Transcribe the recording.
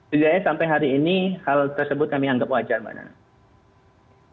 tidaknya sampai hari ini hal tersebut kami anggap wajar mbak nana